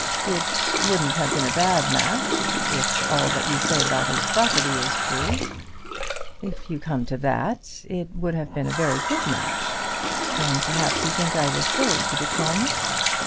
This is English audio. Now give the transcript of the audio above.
"It wouldn't have been a bad match, if all that you say about his property is true." "If you come to that, it would have been a very good match; and perhaps you think I was silly to decline it?"